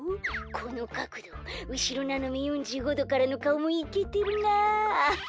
このかくどうしろななめ４５どからのかおもいけてるなあアハハ。